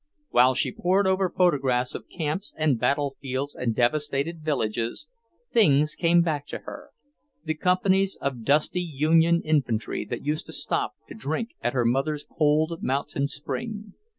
While she pored over photographs of camps and battlefields and devastated villages, things came back to her; the companies of dusty Union infantry that used to stop to drink at her mother's cold mountain spring.